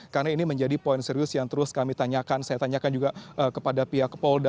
karena ini menjadi poin serius yang terus kami tanyakan saya tanyakan juga kepada pihak polda